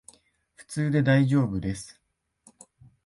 普通でだいじょうぶです